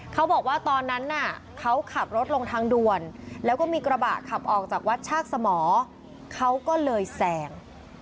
เขาบอกว่าตอนนั้นน่ะเขาขับรถลงทางด่วนแล้วก็มีกระบะขับออกจากวัดชากสมอเขาก็เลยแซง